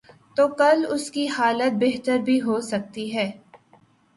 تو کل اس کی حالت بہتر بھی ہو سکتی ہے۔